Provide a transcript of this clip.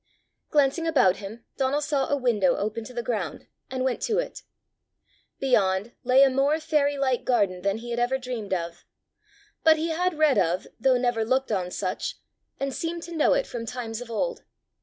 Glancing about him Donal saw a window open to the ground, and went to it. Beyond lay a more fairy like garden than he had ever dreamed of. But he had read of, though never looked on such, and seemed to know it from times of old.